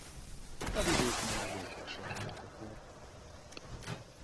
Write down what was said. A vidék már az ókor során lakott volt.